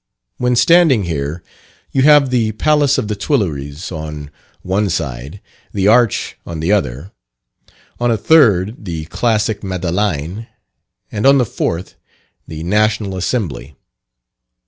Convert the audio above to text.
When standing here, you have the Palace of the Tuileries on one side, the arch on the other; on a third, the classic Madeleine; and on the fourth, the National Assembly.